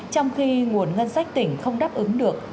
trong khi nguồn ngân sách tỉnh không đáp ứng được